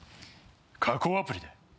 加工アプリで？